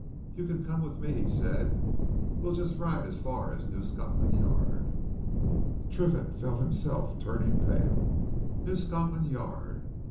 "You can come with me," he said. "We'll just ride as far as New Scotland Yard." Triffitt felt himself turning pale. New Scotland Yard!